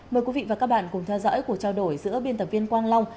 mời quý vị và các bạn cùng theo dõi cuộc trao đổi giữa biên tập viên quang long